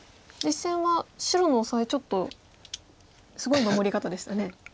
実戦は白のオサエちょっとすごい守り方でしたね。